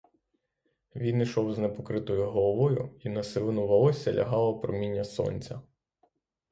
Він ішов з непокритою головою, і на сивину волосся лягало проміння сонця.